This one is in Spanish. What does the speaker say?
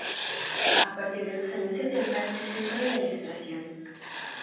A partir de los años setenta, se centró en la ilustración.